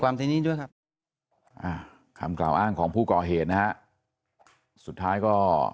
คำกล่าวอ้างของผู้ก่อเหตุนะฮะสุดท้ายก็